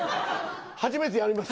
初めてやります。